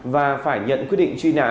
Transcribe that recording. và phải nhận quy định truy nã